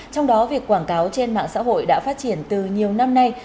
trong đó việc quảng cáo trên mạng xã hội đã phát triển từ nhiều năm nay